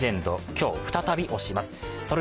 今日、再び推します。